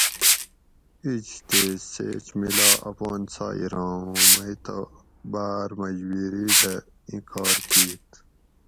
ایج تے سیچ مِلا اپان سایٔراں اُوں مئ تہ باۤر مجبیری دہ ایں کار کِیت